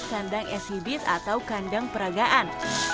kandang shibit atau kandang peragaan